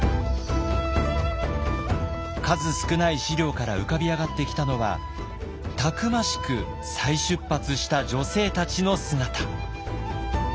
数少ない資料から浮かび上がってきたのはたくましく再出発した女性たちの姿。